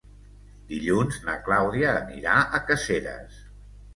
Dilluns na Clàudia anirà a Caseres.